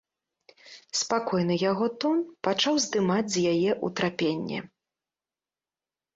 Спакойны яго тон пачаў здымаць з яе ўтрапенне.